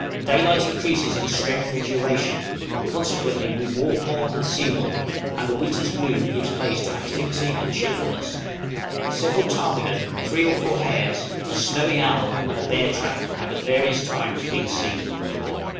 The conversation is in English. Daylight increases in strength and duration, consequently we walk more, and see more, and the winter's gloom gives place to activity and cheerfulness. Several ptarmigan, three or four hares, a snowy owl, and a bear track, have at various times been seen.